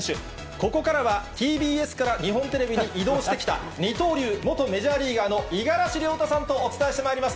ここからはＴＢＳから日本テレビにいどうしてきた、二刀流元メジャーリーガーの五十嵐亮太さんとお伝えしてまいります。